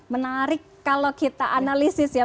menarik kalau kita analisis ya